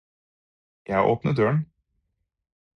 Jeg har åpnet døren.